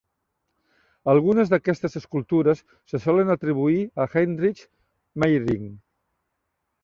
Algunes d'aquestes escultures se solen atribuir a Heinrich Meyring.